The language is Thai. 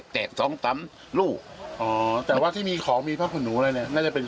แตกสองตำลูกแต่ว่าที่มีของมีพระคุณหนูอะไรเนี่ยน่าจะเป็น